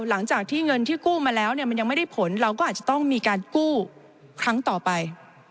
หลังจากที่เงินที่กู้มาแล้วเนี่ยมันยังไม่ได้ผลเราก็อาจจะต้องมีการกู้ครั้งต่อไป